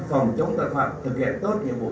phòng chống tạc phạm thực hiện tốt nhiệm vụ